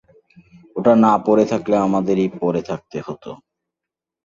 ওটা না পড়ে থাকলে আমাদেরই পড়ে থাকতে হত।